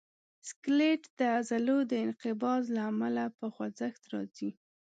سکلیټ د عضلو د انقباض له امله په خوځښت راځي.